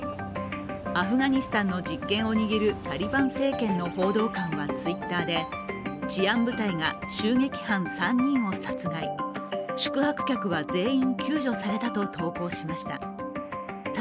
アフガニスタンの実権を握るタリバン政権の報道官はＴｗｉｔｔｅｒで、治安部隊が襲撃犯３人を殺害、宿泊客は全員救助されたと投稿しました。